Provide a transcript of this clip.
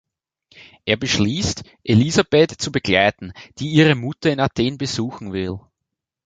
Er beschließt, Elisabeth zu begleiten, die ihre Mutter in Athen besuchen will.